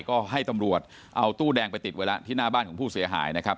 ก็ให้ตำรวจเอาตู้แดงไปติดไว้แล้วที่หน้าบ้านของผู้เสียหายนะครับ